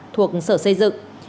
thuộc sở xây dựng